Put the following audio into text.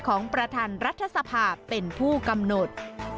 ของประธานรัฐสภาเป็นผู้กำหนด